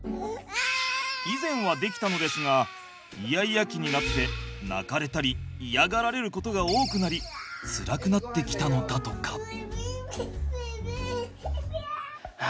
以前はできたのですがイヤイヤ期になって泣かれたり嫌がられることが多くなりつらくなってきたのだとか。